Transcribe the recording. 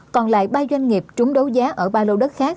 còn lại ba doanh nghiệp trúng đấu giá ở ba lô đất khác